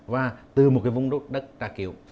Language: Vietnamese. và từ một vùng đất trà kiệu